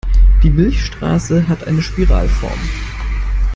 Die Milchstraße hat eine Spiralform.